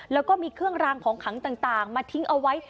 แล้วก็มีเครื่องรางของขังต่างมาทิ้งเอาไว้